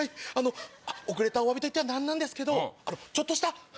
遅れたおわびといっては何ですけどちょっとした。